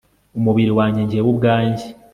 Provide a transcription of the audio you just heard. umubiri wanjye, jyewe ubwanjye